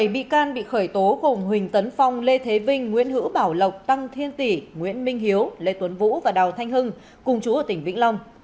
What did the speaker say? bảy bị can bị khởi tố gồm huỳnh tấn phong lê thế vinh nguyễn hữu bảo lộc tăng thiên tỷ nguyễn minh hiếu lê tuấn vũ và đào thanh hưng cùng chú ở tỉnh vĩnh long